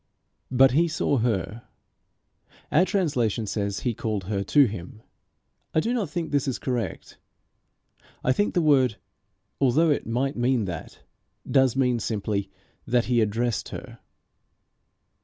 But he saw her. Our translation says he called her to him. I do not think this is correct. I think the word, although it might mean that, does mean simply that he addressed her.